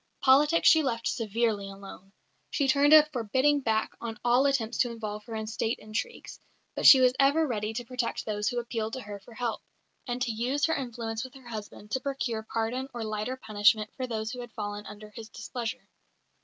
Politics she left severely alone; she turned a forbidding back on all attempts to involve her in State intrigues, but she was ever ready to protect those who appealed to her for help, and to use her influence with her husband to procure pardon or lighter punishment for those who had fallen under his displeasure.